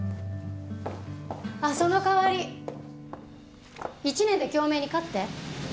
あっその代わり１年で京明に勝って。